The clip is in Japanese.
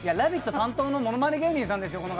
担当のものまね芸人さんですよ。